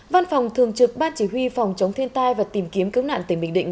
văn phòng thường trực ban chỉ huy phòng chống thiên tai và tìm kiếm cứu nạn tỉnh bình định